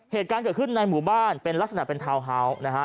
เหตุการณ์เกิดขึ้นในหมู่บ้านเป็นลักษณะเป็นทาวน์ฮาวส์นะฮะ